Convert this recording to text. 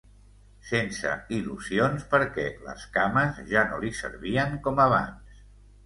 Sense il·lusions perquè les cames ja no li servien com abans.